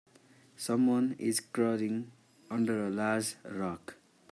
Someone is crawling under a large rock.